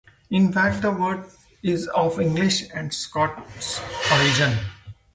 In fact the word is of English and Scots origin.